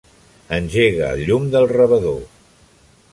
Engega el llum del rebedor.